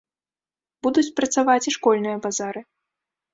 Будуць працаваць і школьныя базары.